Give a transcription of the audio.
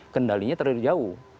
kendalinya terlalu jauh